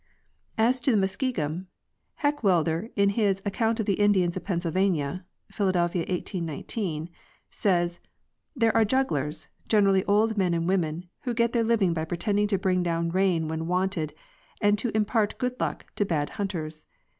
* As to the Muskingum, Heckewelder, in his "Account of the Indians of Pennsylvania" (Philadelphia, 1819, page 229), says: There are jugglers, generally old men and women, who get their living by pretending to bring down rain when wanted, and to impart good luck to bad hunters.